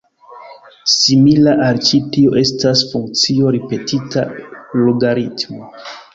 Simila al ĉi tio estas funkcio ripetita logaritmo.